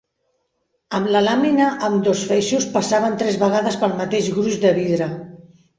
Amb la làmina ambdós feixos passaven tres vegades pel mateix gruix de vidre.